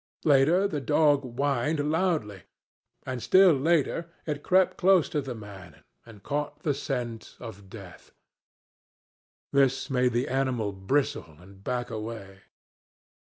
Later, the dog whined loudly. And still later it crept close to the man and caught the scent of death. This made the animal bristle and back away.